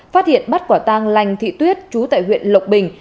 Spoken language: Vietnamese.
phát hiện bắt quả tang lành thị tuyết chú tại huyện lộc bình